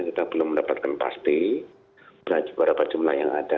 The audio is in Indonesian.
kita belum mendapatkan pasti berapa jumlah yang ada